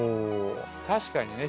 確かにね。